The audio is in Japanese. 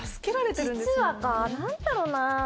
「実は」か何だろうな？